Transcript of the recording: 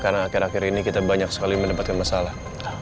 karena akhir akhir ini kita banyak sekali mendapatkan masalah